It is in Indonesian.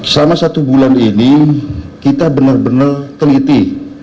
selama satu bulan ini kita benar benar teliti